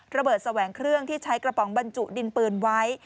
แสวงเครื่องที่ใช้กระป๋องบรรจุดินปืนไว้